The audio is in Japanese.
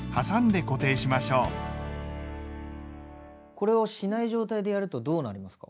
これをしない状態でやるとどうなるんですか？